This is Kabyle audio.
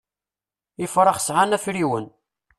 Ifrax sεan afriwen.